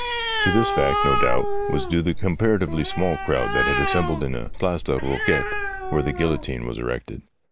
To this fact, no doubt, was due the comparatively small crowd that had assembled in the Place de la Eoquette, where the guillotine was erected.